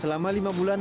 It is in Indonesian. selama lima bulan